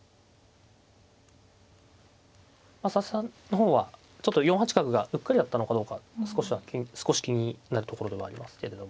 佐々木さんの方はちょっと４八角がうっかりだったのかどうか少し気になるところではありますけれども。